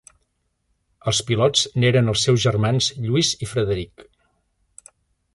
Els pilots n'eren els seus germans Lluís i Frederic.